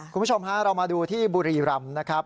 คุณผู้ชมฮะเรามาดูที่บุรีรำนะครับ